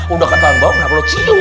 udah ketangan bau kenapa lu cuu